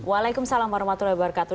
waalaikumsalam warahmatullahi wabarakatuh